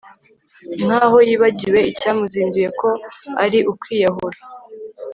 nkaho yibagiwe icyamuzinduye ko ari ukwiyahura